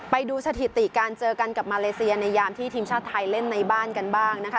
ไปดูสถิติการเจอกันกับมาเลเซียในยามที่ทีมชาติไทยเล่นในบ้านกันบ้างนะคะ